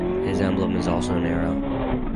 His emblem is also an arrow.